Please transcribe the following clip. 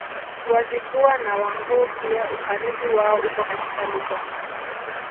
Wazigua na Wanguu pia Ukaribu wao uko katika lugha